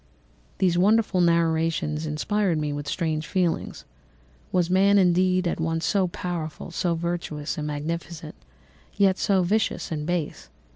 "These wonderful narrations inspired me with strange feelings. Was man, indeed, at once so powerful, so virtuous and magnificent, yet so vicious and base?